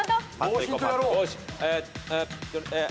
よし。